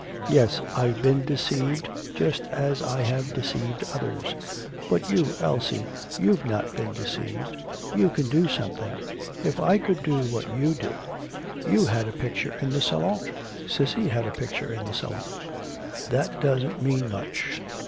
Yes, I've been deceived just as I have deceived others. But you, Elsie, you've not been deceived, you can do something. If I could do what you do. You had a picture in the Salon. Cissy had a picture in the Salon.' 'That doesn't mean much.